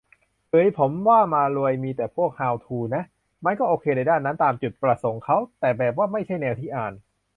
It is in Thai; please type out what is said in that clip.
กึ๋ย ผมว่ามารวยมีแต่พวกฮาวทูน่ะ มันก็โอเคในด้านนั้น ตามจุดประสงค์เขา แต่แบบว่าไม่ใช่แนวที่อ่าน